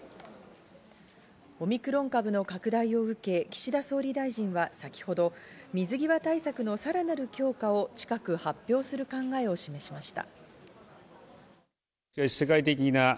オミクロン株の拡大を受け、岸田総理大臣は先ほど、水際対策のさらなる強化を近く発表する考えを示しました。